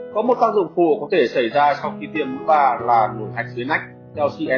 có một tác dụng phổ có thể xảy ra sau khi tiêm mũi ba là nổ hạch dưới nách